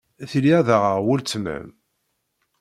Tili ad aɣeɣ weltma-m.